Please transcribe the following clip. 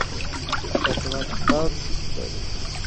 جګړه درد لري